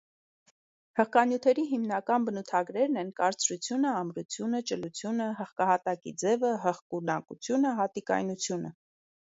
Հղկանյութերի հիմնական բնութագրերն են՝ կարծրությունը, ամրությունը, ճլությունը, հղկահատիկի ձևը, հղկունակությունը, հատիկայնությունը։